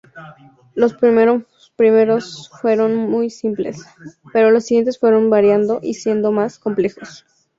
Los primeros fueron muy simples, pero los siguientes fueron variando y siendo más complejos.